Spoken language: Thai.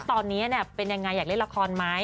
ตอนนี้เป็นยังไงอยากเล่นละครไหม